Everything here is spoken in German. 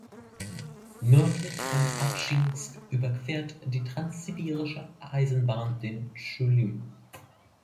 Nördlich von Atschinsk überquert die Transsibirische Eisenbahn den Tschulym.